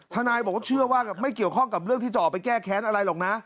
นายบอกว่าเชื่อว่าไม่เกี่ยวข้องกับเรื่องที่จะออกไปแก้แค้นอะไรหรอกนะ